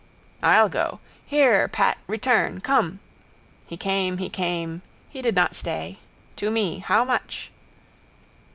I'll go. Here, Pat, return. Come. He came, he came, he did not stay. To me. How much?